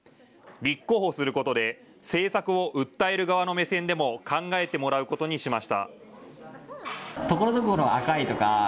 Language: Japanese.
立候補することで政策を訴える側の目線でも考えてもらうことにしました。